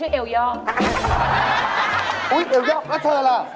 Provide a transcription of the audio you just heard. อุ๊ยเอ๋ย็อกแล้วเธอล่ะ